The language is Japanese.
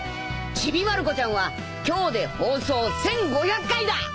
『ちびまる子ちゃん』は今日で放送１，５００回だ！